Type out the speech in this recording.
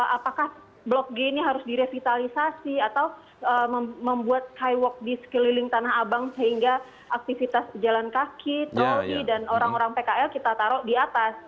apakah blok g ini harus direvitalisasi atau membuat highwalk di sekeliling tanah abang sehingga aktivitas jalan kaki troli dan orang orang pkl kita taruh di atas